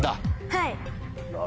はい。